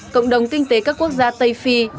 cộng đồng kinh tế các quốc gia tây phi